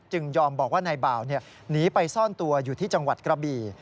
ยอมบอกว่านายบ่าวหนีไปซ่อนตัวอยู่ที่จังหวัดกระบี่